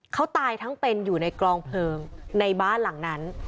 เขาตายทั้งเป็นอยู่ในกลองเพลิงในบ้านหลังนั้น